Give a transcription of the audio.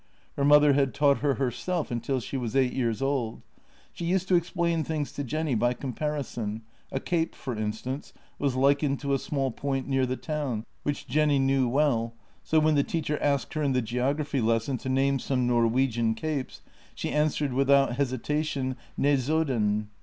Her mother had taught her herself until she was eight years old. She used to explain things to Jenny by com parison; a cape, for instance, was likened to a small point near the town, which Jenny knew well, so when the teacher asked her in the geography lesson to name some Norwegian capes, she answered without hesitation: " Naesodden."